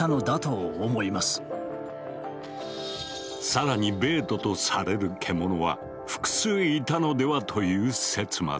更にベートとされる獣は複数いたのでは？という説まで。